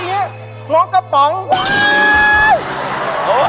ไม่มีอะไรของเราเล่าส่วนฟังครับพี่